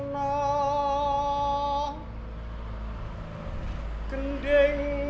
sma dua bantul